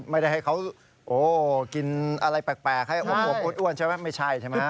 ไม่ได้ให้เขากินอะไรแปลกให้อวบอ้วนใช่ไหมไม่ใช่ใช่ไหม